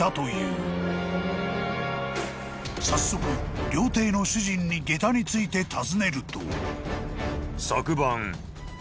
［早速料亭の主人にげたについて尋ねると］